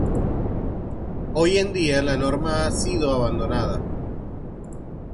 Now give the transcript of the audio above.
Hoy en día la norma ha sido abandonada.